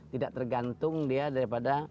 tidak tergantung dia daripada